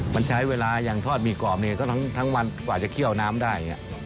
มันใช้เวลาอย่างทอดหมี่กรอบเนี่ยก็ทั้งวันกว่าจะเคี่ยวน้ำได้